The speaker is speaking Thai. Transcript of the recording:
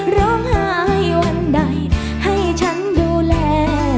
ร้องไห้วันใดให้ฉันดูแล